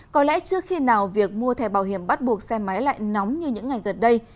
có lẽ chưa khi nào việc mua thẻ bảo hiểm bắt buộc xe máy lại nóng như những ngày gần đây